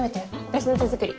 私の手作り。